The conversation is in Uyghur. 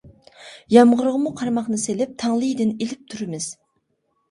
يامغۇرغىمۇ قارماقنى سېلىپ، تاڭلىيىدىن ئىلىپ تۇرىمىز.